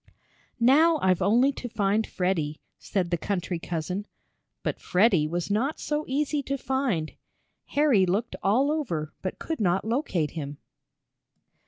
"Now I've only to find Freddie," said the country cousin. But Freddie was not so easy to find. Harry looked all over but could not locate him.